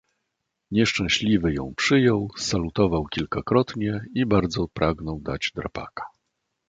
"Nieszczęśliwy ją przyjął, salutował kilkakrotnie i bardzo pragnął dać drapaka."